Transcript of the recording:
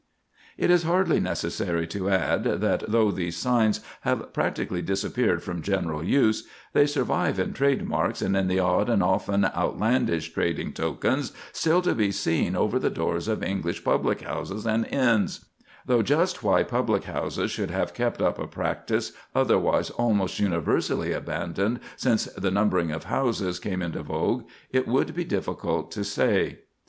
It is hardly necessary to add that though these signs have practically disappeared from general use, they survive in trademarks and in the odd and often outlandish trading tokens still to be seen over the doors of English public houses and inns; though just why public houses should have kept up a practice otherwise almost universally abandoned since the numbering of houses came into vogue, it would be difficult to say.